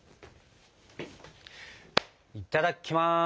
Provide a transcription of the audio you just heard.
いただきます。